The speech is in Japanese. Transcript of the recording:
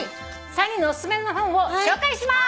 ３人のお薦めの本を紹介します！